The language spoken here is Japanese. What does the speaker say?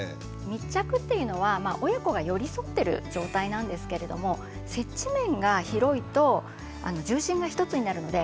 密着っていうのは親子が寄り添ってる状態なんですけれども接地面が広いと重心が一つになるので軽く感じます。